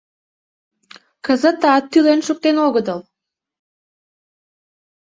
Кызытат тӱлен шуктен огытыл.